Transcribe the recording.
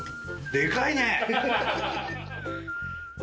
でかいね！